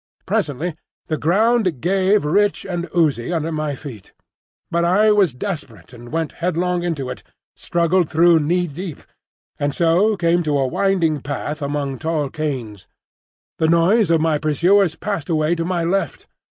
Presently the ground gave rich and oozy under my feet; but I was desperate and went headlong into it, struggled through kneedeep, and so came to a winding path among tall canes. The noise of my pursuers passed away to my left.